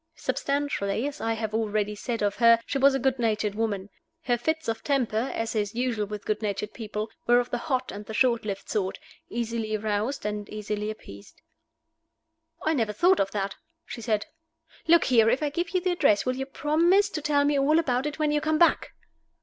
Substantially, as I have already said of her, she was a good natured woman. Her fits of temper (as is usual with good natured people) were of the hot and the short lived sort, easily roused and easily appeased. "I never thought of that," she said. "Look here! if I give you the address, will you promise to tell me all about it when you come back?"